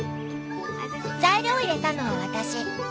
材料を入れたのは私。